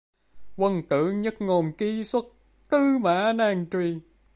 Quân tử nhất ngôn kí xuất, tứ mã nan truy